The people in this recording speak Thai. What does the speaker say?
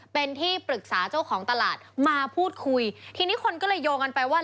เป็นที่ปรึกษาเจ้าของตลาดมาพูดคุยทีนี้คนก็เลยโยงกันไปว่า